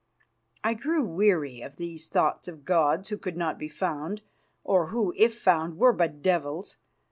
I grew weary of these thoughts of gods who could not be found, or who, if found, were but devils.